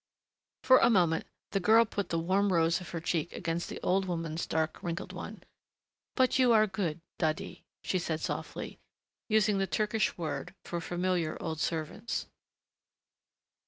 For a moment the girl put the warm rose of her cheek against the old woman's dark, wrinkled one. "But you are good, Dadi," she said softly, using the Turkish word for familiar old servants.